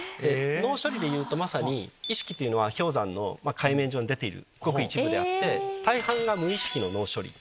脳処理でいうとまさに意識というのは氷山の海面上に出ているごく一部であって大半が無意識の脳処理。